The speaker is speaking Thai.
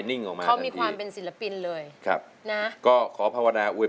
น้องข้าวหอมร้องได้หรือว่าร้องผิดครับ